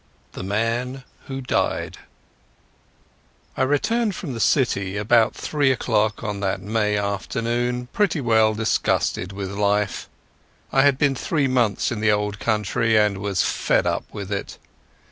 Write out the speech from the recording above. The Man Who Died I returned from the City about three o'clock on that May afternoon pretty well disgusted with life. I had been three months in the Old Country, and was fed up with it.